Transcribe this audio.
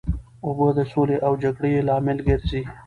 اوبه د سولې او جګړې لامل ګرځي.